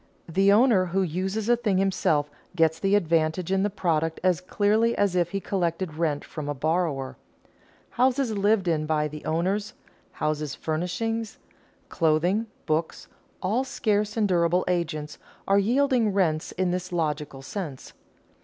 The owner who uses a thing himself gets the advantage in the product as clearly as if he collected rent from a borrower. Houses lived in by the owners, house furnishings, clothing, books, all scarce and durable agents, are yielding rents in this logical sense.